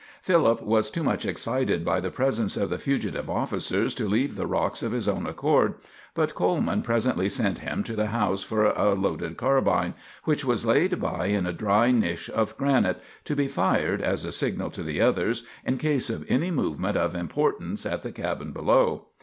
Philip was too much excited by the presence of the fugitive officers to leave the rocks of his own accord; but Coleman presently sent him to the house for a loaded carbine, which was laid by in a dry niche of granite, to be fired as a signal to the others in case of any movement of importance at the cabin below.